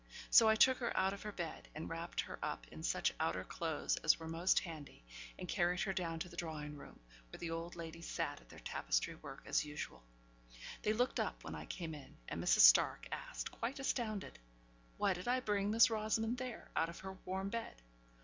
So I took her out of her bed, and wrapped her up in such outer clothes as were most handy, and carried her down to the drawing room, where the old ladies sat at their tapestry work as usual. They looked up when I came in, and Mrs. Stark asked, quite astounded, 'Why did I bring Miss Rosamond there, out of her warm bed?'